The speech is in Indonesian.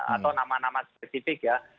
atau nama nama spesifik ya